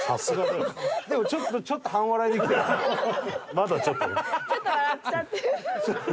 まだちょっと。